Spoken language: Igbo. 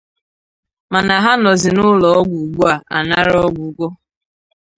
mana ha nọzị n'ụlọọgwụ ugbua anara ọgwụgwọ.